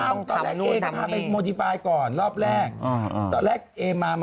คุณคือไปบอกก็อย่างนั้น